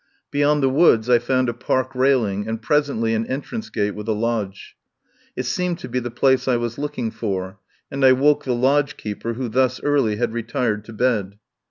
Beyond the woods I found a park railing, and presently an entrance gate with a lodge. It seemed to be the place I was looking for, and I woke the lodge keeper, who thus early had retired to bed.